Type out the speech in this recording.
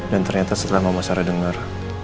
dan ternyata setelah mama sarah denger